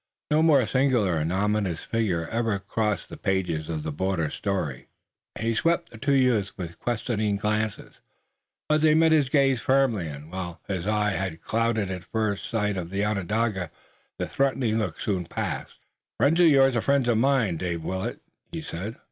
No more singular and ominous figure ever crossed the pages of border story. He swept the two youths with questing glances, but they met his gaze firmly, and while his eye had clouded at first sight of the Onondaga the threatening look soon passed. "Friends of yours are friends of mine, Dave Willet," he said.